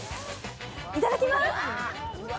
いただきます！